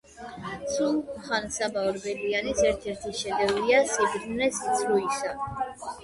სულხან-საბა ორბელიანის ერთ-ერთი შედევრია ,,სიბრძნე სიცრუისა"